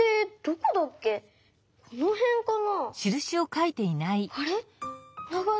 このへんかな？